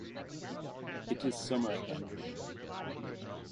It is summer again.